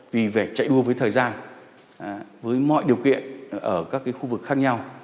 vì phải chạy đua với thời gian với mọi điều kiện ở các khu vực khác nhau